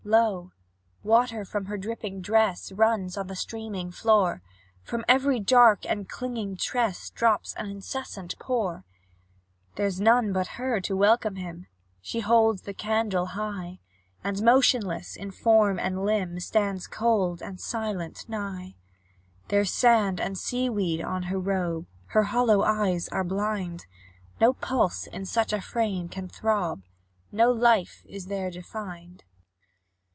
Lo! water from her dripping dress Runs on the streaming floor; From every dark and clinging tress The drops incessant pour. There's none but her to welcome him; She holds the candle high, And, motionless in form and limb, Stands cold and silent nigh; There's sand and sea weed on her robe, Her hollow eyes are blind; No pulse in such a frame can throb, No life is there defined.